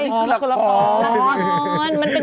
อ้อนี่คือคำนาคม